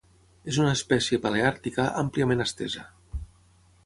És una espècie paleàrtica àmpliament estesa.